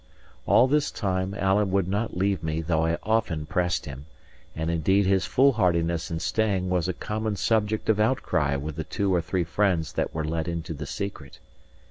All this time Alan would not leave me though I often pressed him, and indeed his foolhardiness in staying was a common subject of outcry with the two or three friends that were let into the secret.